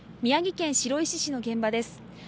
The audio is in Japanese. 宮城県白石市の現場です。